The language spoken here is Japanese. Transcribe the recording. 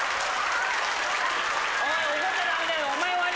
おい。